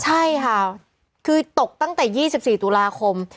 ใช่ค่ะคือตกตั้งแต่ยี่สิบสี่ตุลาคม